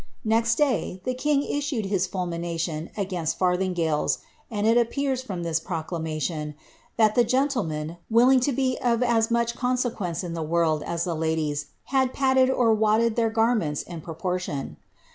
Next day, tlie king issued his fulraination again^' farthingales, and it appears, from this proclamation, that the gentlemen, willing to be of as much consequence in the world as the ladies, had padded, or wadded their garments in proportion.